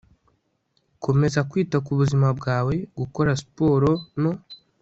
Komeza kwita ku buzima bwawe Gukora siporo no